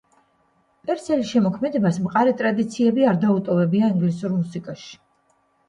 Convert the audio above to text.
პერსელი შემოქმედებას მყარი ტრადიციები არ დაუტოვებია ინგლისურ მუსიკაში.